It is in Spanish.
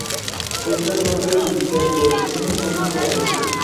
Estas son presididas por un único juez.